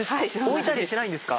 置いたりしないんですか？